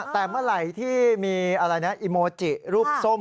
แต่เมื่อไหร่ที่มีอะไรนะอิโมจิรูปส้ม